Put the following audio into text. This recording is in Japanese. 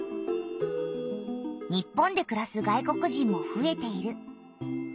日本でくらす外国人もふえている。